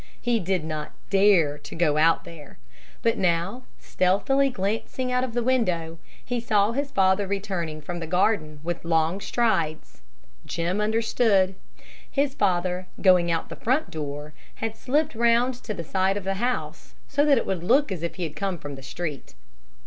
He did not dare to go out there, but now, stealthily glancing out of the window, he saw his father returning from the garden with long strides. Jim understood. His father, going out at the front door, had slipped round to the side of the house, so that it would look as if he had come from the street.